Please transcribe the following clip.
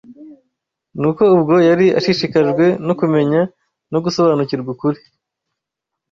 Nuko, ubwo yari ashishikajwe no kumenya no gusobanukirwa ukuri